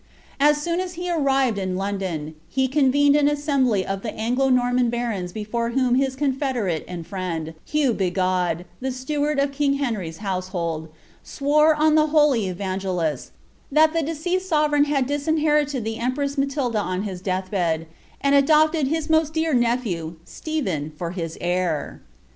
As soon as he arrived in London, he convened an assembly of the Anglo Norman barons before whom his confederate and friend, Hugh Bigod, the steward of king Henry's house hold, swore on the holy Evangelists, '* that the deceased sovereign hau disinherited the empress Matilda on his death bed, and adopted his most dear nephew Stephen for his heir."'